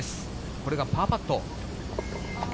これがパーパット。